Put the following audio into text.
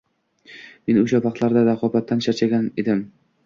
Men oʻsha vaqtlarda raqobatdan charchagan edim.